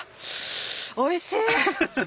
おいしい！